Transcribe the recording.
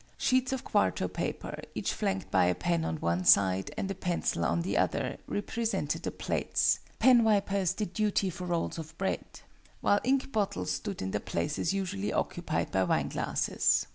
Sheets of quarto paper, each flanked by a pen on one side and a pencil on the other, represented the plates penwipers did duty for rolls of bread while ink bottles stood in the places usually occupied by wine glasses.